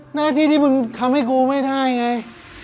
หน้าที่ที่มึงทำให้กูไม่ได้ไง